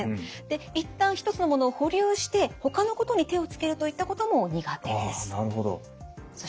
で一旦一つのものを保留してほかのことに手をつけるといったことも苦手です。